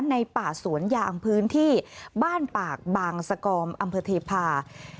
ในป่าสวนยางพื้นที่บ้านปากบางสกอมอำเภอเทพา